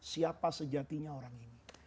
siapa sejatinya orang ini